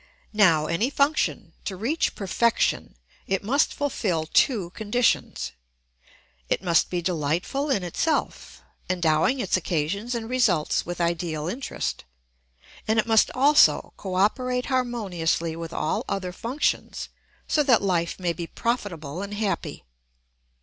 ] Now, any function to reach perfection it must fulfil two conditions: it must be delightful in itself, endowing its occasions and results with ideal interest, and it must also co operate harmoniously with all other functions so that life may be profitable and happy.